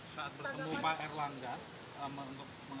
saat bertemu pak erlangga